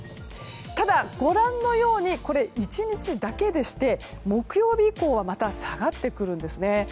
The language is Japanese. ただ、ご覧のようにこれ、１日だけでして木曜日以降はまた下がってくるんですね。